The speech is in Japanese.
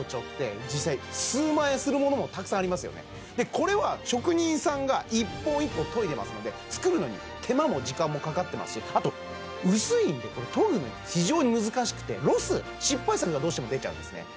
これは職人さんが一本一本研いでますので作るのに手間も時間もかかってますしあと薄いんで研ぐのが非常に難しくてロス失敗作がどうしても出ちゃうんですね